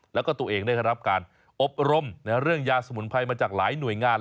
แล้วก็ตัวเองได้รับการอบรมในเรื่องยาสมุนไพรมาจากหลายหน่วยงาน